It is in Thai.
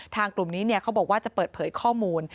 กลุ่มนี้เขาบอกว่าจะเปิดเผยข้อมูล